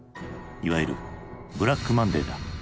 いわゆる「ブラックマンデー」だ。